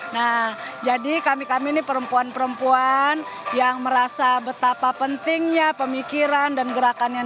nah jadi kami kami ini perempuan perempuan yang merasa betapa pentingnya pemikiran dan gerakan yang